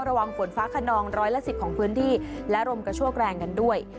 ฝนฟ้าขนองร้อยละ๑๐ของพื้นที่และลมกระโชกแรงกันด้วย